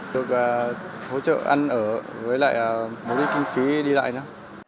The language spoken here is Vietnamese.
được hỗ trợ ăn ở với lại mối kinh phí đi lại nữa